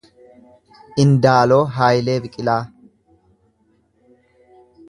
Indaaloo Hayilee Biqilaa